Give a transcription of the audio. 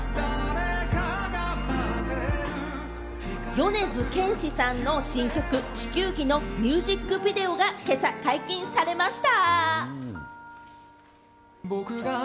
米津玄師さんの新曲『地球儀』のミュージックビデオが今朝、解禁されました。